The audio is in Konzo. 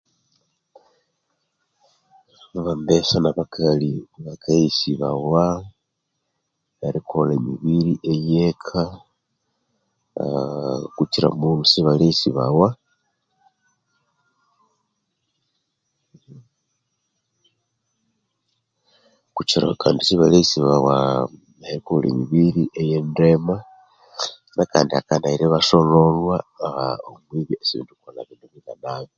Abambesa na bakali bakaghesibawa erikola emibiri yeka kukira Kandi sibalighesibawa erikolha emibiri eyendema bwakandi hakanaira ibasolholhwa